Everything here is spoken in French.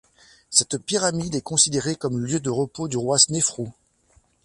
Cette pyramide est considérée comme le lieu de repos du roi Snéfrou.